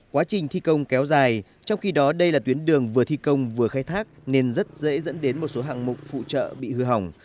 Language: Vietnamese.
quá trình thi công kéo dài trong khi đó đây là tuyến đường vừa thi công vừa khai thác nên rất dễ dẫn đến một số hạng mục phụ trợ bị hư hỏng